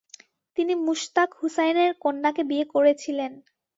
তিনি মুশতাক হুসাইনের কন্যাকে বিয়ে করেছিলেন।